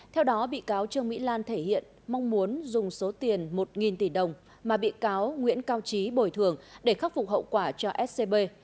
theo đó bị cáo trương mỹ lan thể hiện mong muốn dùng số tiền một tỷ đồng mà bị cáo nguyễn cao trí bồi thường để khắc phục hậu quả cho scb